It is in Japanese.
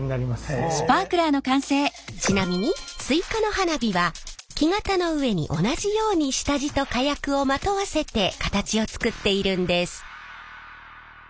ちなみにスイカの花火は木型の上に同じように下地と火薬をまとわせて形を作っているんです。